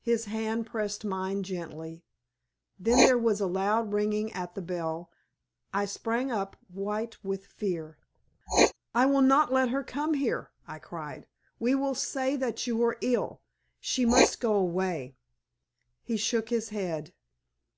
His hand pressed mine gently. Then there was a loud ringing at the bell. I sprang up white with fear. "I will not let her come here!" I cried. "We will say that you are ill! She must go away!" He shook his head.